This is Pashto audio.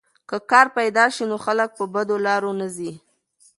که کار پیدا سي نو خلک په بدو لارو نه ځي.